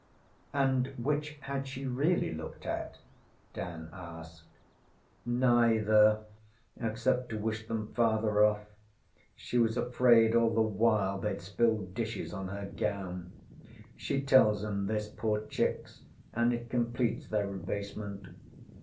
ŌĆÖ ŌĆśAnd which had she really looked at? ŌĆÖ Dan asked. ŌĆśNeither except to wish them farther off. She was afraid all the while theyŌĆÖd spill dishes on her gown. She tells ŌĆśem this, poor chicks and it completes their abasement.